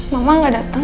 mama gak dateng